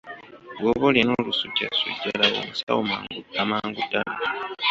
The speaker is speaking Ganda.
Bw’oba olina olusujjasujja, laba omusawo amangu ddala.